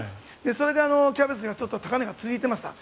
それでキャベツがちょっと高値が続いていました。